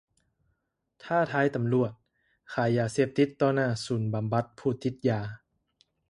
ທ້າທາຍຕໍາຫຼວດ!! ຂາຍຢາເສບຕິດຕໍ່ໜ້າສູນບໍາບັດຜູ້ຕິດຢາ